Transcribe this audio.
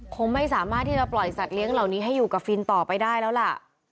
คงไม่สามารถที่จะปล่อยสัตเลี้ยเหล่านี้ให้อยู่กับฟินต่อไปได้แล้วล่ะ